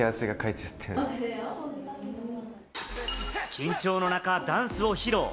緊張の中、ダンスを披露。